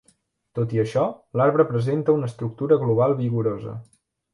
Tot i això, l'arbre presenta una estructura global vigorosa.